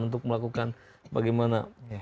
untuk melakukan bagaimana